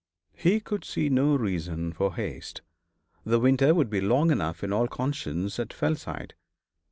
He could see no reason for haste; the winter would be long enough in all conscience at Fellside.